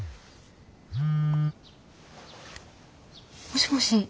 もしもし。